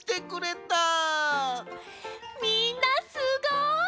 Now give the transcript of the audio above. みんなすごい！